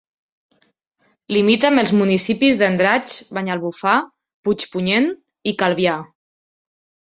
Limita amb els municipis d'Andratx, Banyalbufar, Puigpunyent i Calvià.